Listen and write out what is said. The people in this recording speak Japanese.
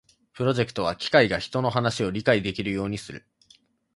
プロジェクトは機械が人の話を理解できるようにする